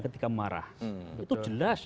ketika marah itu jelas